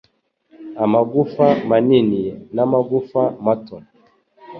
amagufwa manini n'amagufwa mato,